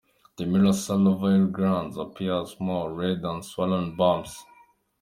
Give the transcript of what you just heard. The minor salivary glands appear as small, red and swollen bumps.